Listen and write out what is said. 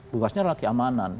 bebasnya adalah keamanan